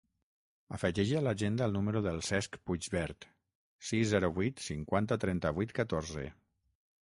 Afegeix a l'agenda el número del Cesc Puigvert: sis, zero, vuit, cinquanta, trenta-vuit, catorze.